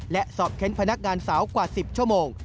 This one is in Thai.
และสอบเค้นพนักงานสาวกว่า๑๐ชั่วโมง